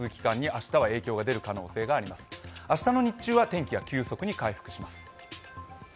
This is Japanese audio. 明日の日中は天気が急速に回復します。